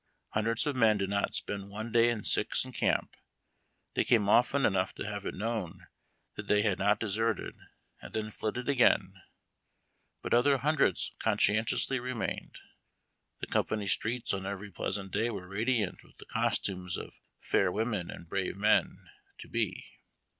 Hundreds of men did not spend one day in six in camp. They came often enough to have it known that they had not deserted, and then flitted again, but other hundreds conscientiously remained. The company streets on every pleasant day were radiant with the costumes of "fair women, and brave men "— to he.